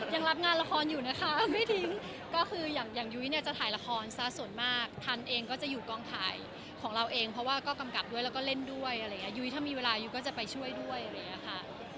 ยังรับงานละครอยู่นะคะไม่ทิ้งก็คืออย่างยุ้ยเนี่ยจะถ่ายละครซะส่วนมากทันเองก็จะอยู่กองถ่ายของเราเองเพราะว่าก็กำกับด้วยแล้วก็เล่นด้วยอะไรอย่างนี้ยุ้ยถ้ามีเวลายุ้ยก็จะไปช่วยด้วยอะไรอย่างนี้ค่ะ